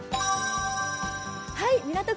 港区